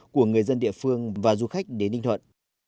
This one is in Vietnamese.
của người dân địa phương và du khách đến ninh thuận